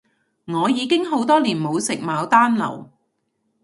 我已經好多年冇食牡丹樓